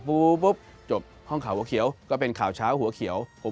ปุ๊บจบห้องข่าวหัวเขียวก็เป็นข่าวเช้าหัวเขียว